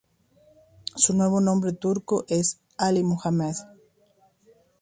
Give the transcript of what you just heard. Su nuevo nombre turco es Ali Muhammed.